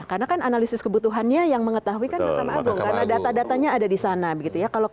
karena kan analisis kebutuhannya yang mengetahui karena data datanya ada di sana begitu ya kalau